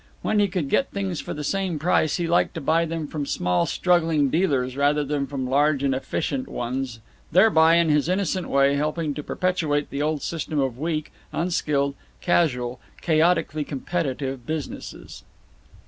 When he could get things for the same price he liked to buy them from small struggling dealers rather than from large and efficient ones thereby, in his innocent way, helping to perpetuate the old system of weak, unskilled, casual, chaotically competitive businesses.